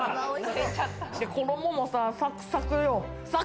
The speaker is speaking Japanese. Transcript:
衣もさ、サクサクよ。